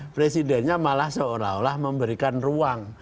presidennya malah seolah olah memberikan ruang